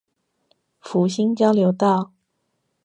福興交流道